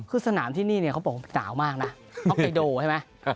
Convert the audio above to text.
คือสนามที่นี่เนี่ยเขาบอกว่าหนาวมากนะฮอกไกโดใช่ไหม